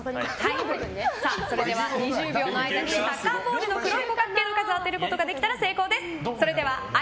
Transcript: それでは３０秒の間にサッカーボールの黒い五角形の数を当てることができたら成功です。